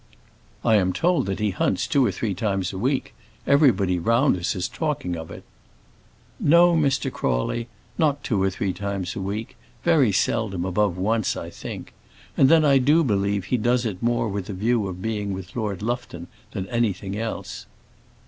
"I am told that he hunts two or three times a week. Everybody round us is talking about it." "No, Mr. Crawley; not two or three times a week; very seldom above once, I think. And then I do believe he does it more with the view of being with Lord Lufton than anything else."